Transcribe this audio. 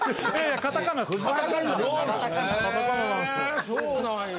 へぇそうなんや。